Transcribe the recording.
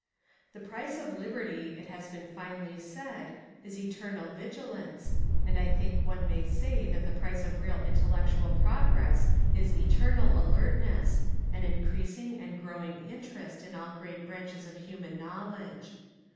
The price of liberty, it has been finely said, is eternal vigilance, and I think one may say that the 8i Essays and Literary Studies price of real intellectual progress is eternal alertness, an increasing and growing interest in all great branches of human knowledge.